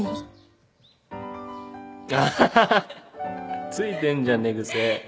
アハハついてんじゃん